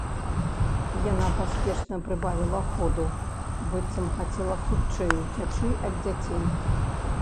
Яна паспешна прыбавіла ходу, быццам хацела хутчэй уцячы ад дзяцей.